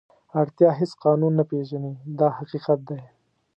اړتیا هېڅ قانون نه پېژني دا حقیقت دی.